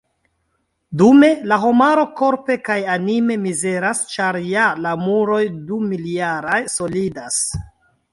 Dume, la homaro korpe kaj anime mizeras ĉar, ja, la muroj dumiljaraj solidas.